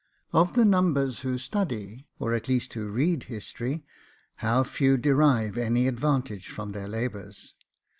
Of the numbers who study, or at least who read history, how few derive any advantage from their labours!